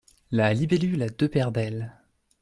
La libellule a deux paires d’ailes.